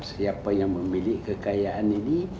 siapa yang memiliki kekayaan ini